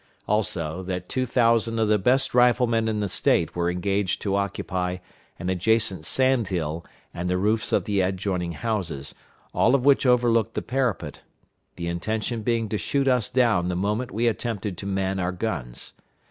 Also, that two thousand of the best riflemen in the State were engaged to occupy an adjacent sand hill and the roofs of the adjoining houses, all of which overlooked the parapet, the intention being to shoot us down the moment we attempted to man our guns.